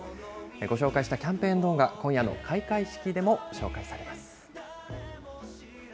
ご紹介したキャンペーン動画、今夜の開会式でも紹介されます。